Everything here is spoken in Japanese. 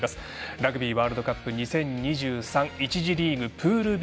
ラグビーワールドカップ２０２３１次リーグ、プールＢ